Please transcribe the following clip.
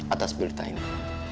atas berita ini